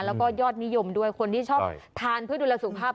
แล้วก็ยอดนิยมด้วยคนที่ชอบทานเพื่อดูแลสุขภาพ